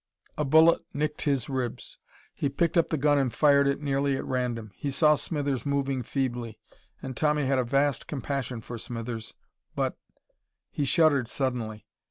A bullet nicked his ribs. He picked up the gun and fired it nearly at random. He saw Smithers moving feebly, and Tommy had a vast compassion for Smithers, but He shuddered suddenly.